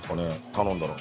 頼んだら。